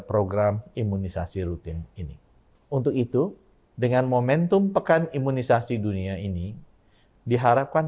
program imunisasi rutin ini untuk itu dengan momentum pekan imunisasi dunia ini diharapkan